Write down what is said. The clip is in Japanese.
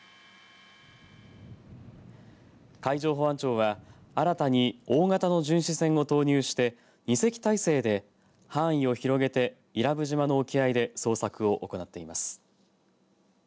海上保安庁は新たに大型の巡視船を投入して２隻態勢で範囲を広げて伊良部島の沖合で捜索を行っています。